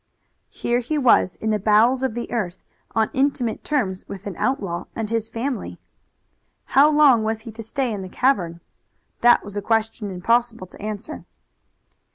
Here he was in the bowels of the earth on intimate terms with an outlaw and his family. How long was he to stay in the cavern? That was a question impossible to answer.